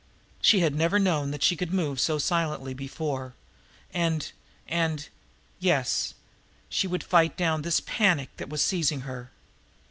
She had never known that she could move so silently before and and Yes, she would fight down this panic that was seizing her!